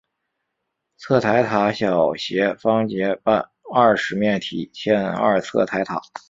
侧台塔小斜方截半二十面体欠二侧台塔。